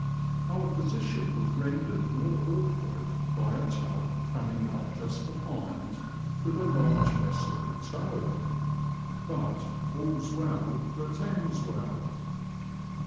Our position was rendered more awkward by a tug coming up just behind with a large vessel in tow. But all's well that ends well."